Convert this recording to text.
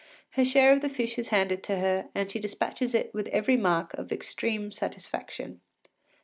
Her share of the fish is handed to her, and she despatches it with every mark of extreme satisfaction.